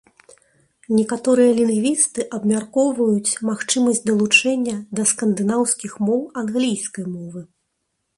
Некаторыя лінгвісты абмяркоўваюць магчымасць далучэння да скандынаўскіх моў англійскай мовы.